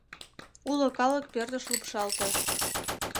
Уло калык пӧртыш лупшалте.